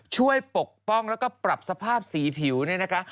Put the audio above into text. ปกป้องแล้วก็ปรับสภาพสีผิวเนี่ยนะคะ